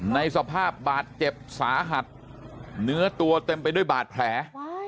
ในสภาพบาดเจ็บสาหัสเนื้อตัวเต็มไปด้วยบาดแผล